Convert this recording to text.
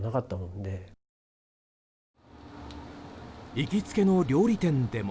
行きつけの料理店でも。